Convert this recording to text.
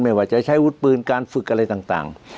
ไม่ว่าจะใช้วุฒิปืนการฝึกอะไรต่าง